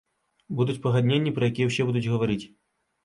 Будуць пагадненні, пра якія ўсе будуць гаварыць.